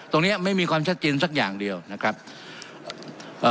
ตรงเนี้ยไม่มีความชัดเจนสักอย่างเดียวนะครับเอ่อ